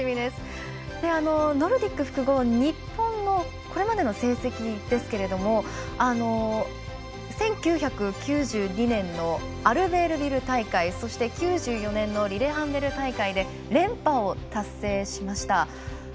ノルディック複合日本のこれまでの成績ですけど１９９２年のアルベールビル大会そして９４年のリレハンメル大会で連覇を達成しました。